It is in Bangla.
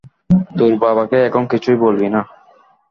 তোর বাবাকে এখন কিছুই বলবি না।